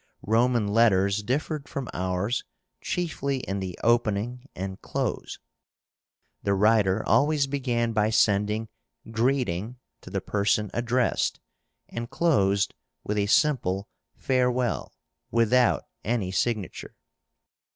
Roman letters differed from ours chiefly in the opening and close. The writer always began by sending "greeting" to the person addressed, and closed with a simple "farewell," without any signature.